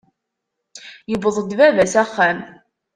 Yewweḍ-d Baba s axxam.